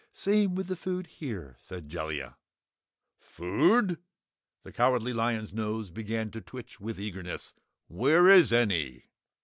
"Same with the food here," said Jellia. "Food!" The Cowardly Lion's nose began to twitch with eagerness. "Where is any?"